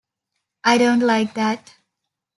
I don't like that.